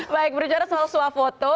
baik berbicara soal suah foto